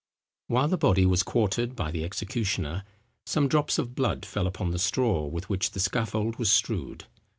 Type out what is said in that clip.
While the body was quartered by the executioner, some drops of blood fell upon the straw with which the scaffold was strewed.